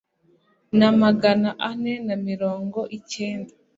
na magana ane na mirongo icyenda